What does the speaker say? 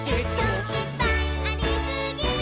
「いっぱいありすぎー！！」